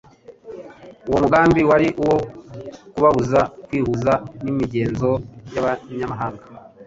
Uwo mugambi wari uwo kubabuza kwihuza n'imigenzo y'abanyamahanga.